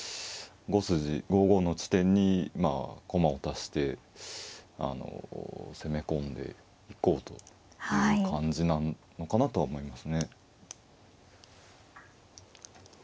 ５筋５五の地点に駒を足して攻め込んでいこうと。いう感じなのかなとは思いますね。